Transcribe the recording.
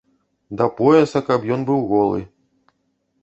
Да пояса каб ён быў голы!